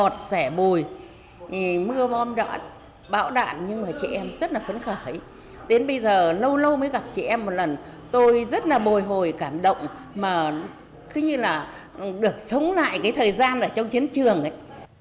đến bây giờ lâu lâu mới gặp chị em một lần tôi rất là bồi hồi cảm động mà cứ như là được sống lại cái thời gian ở trong chiến trường ấy